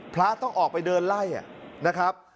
พระต้องออกไปเดินไล่นะครับ